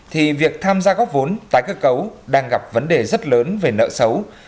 thì việc tham gia góp vốn tái cơ cấu đang gặp vấn đề rất lớn về nợ xấu